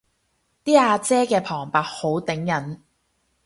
啲阿姐嘅旁白好頂癮